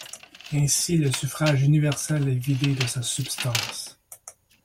Ainsi le suffrage universel est vidé de sa substance.